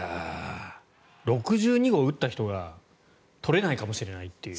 ６２号を打った人が取れないかもしれないという。